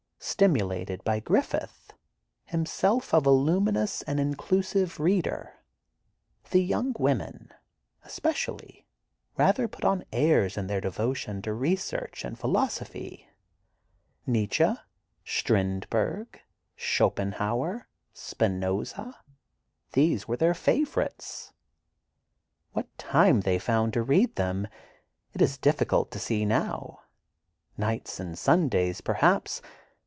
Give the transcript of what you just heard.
Stimulated by Griffith, himself a voluminous and inclusive reader, the young women, especially, rather put on airs in their devotion to research and philosophy: Nietzsche, Strindberg, Schopenhauer, Spinoza—these were their favorites. What time they found to read them, it is difficult to see, now—nights and Sundays, perhaps.